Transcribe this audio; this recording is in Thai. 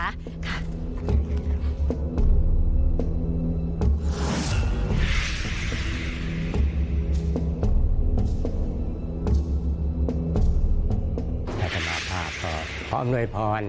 นักธนาภาพพรพร้อมหน่วยพร